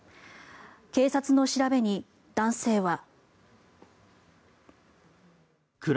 警察の調べに、男性は。